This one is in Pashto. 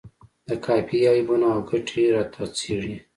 د قافیې عیبونه او ګټې راته څیړي.